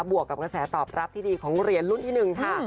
วกกับกระแสตอบรับที่ดีของเหรียญรุ่นที่๑ค่ะ